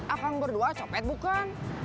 akang berdua nyopet bukan